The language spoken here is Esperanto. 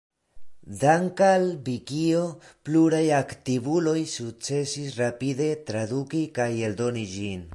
Dank'al Vikio, pluraj aktivuloj sukcesis rapide traduki kaj eldoni ĝin.